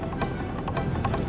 kamu aneh deh